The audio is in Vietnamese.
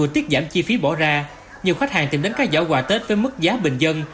tiết giảm chi phí bỏ ra nhiều khách hàng tìm đến các giỏ quà tết với mức giá bình dân